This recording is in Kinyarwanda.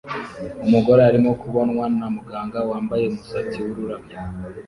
Umugore arimo kubonwa na muganga wambaye umusatsi wururabyo